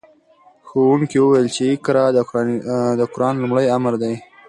ښوونکي وویل چې اقرأ د قرآن لومړی امر دی.